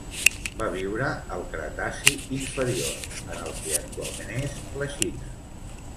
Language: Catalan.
Va viure al Cretaci inferior en el que actualment és la Xina.